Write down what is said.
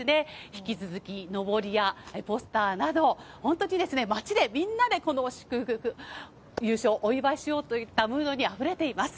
引き続き、のぼりやポスターなど、本当に街でみんなでこの祝福、優勝をお祝いしようといったムードにあふれています。